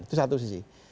itu satu sisi